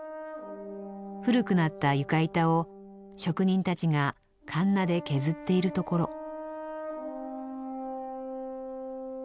古くなった床板を職人たちがかんなで削っているところ。